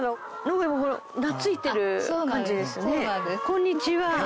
こんにちは。